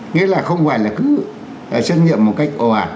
nghĩa là không phải là cứ xét nghiệm một cách ổ hả